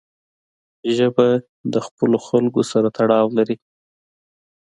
ژبه د خپلو خلکو سره تړاو لري